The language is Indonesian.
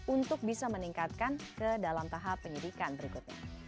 untuk bisa meningkatkan ke dalam tahap penyidikan berikutnya